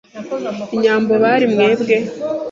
Inyambo bari mwebwe?